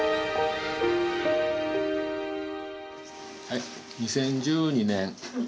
はい２０１２年。